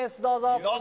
どうぞ。